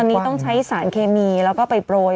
อันนี้ต้องใช้สารเคมีแล้วก็ไปโปรย